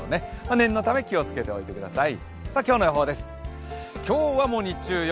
念のため気をつけておいてください。